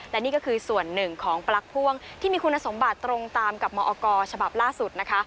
และนี่ก็คือส่วนหนึ่งของปลั๊กพ่วงที่มีคุณสมบัติตรงตามกับมอกรฉบับล่าสุดนะคะ